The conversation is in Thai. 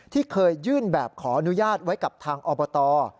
ที่เคยยื่นแบบขออนุญาตไว้กับทางอบต